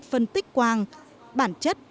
phân tích quang bản chất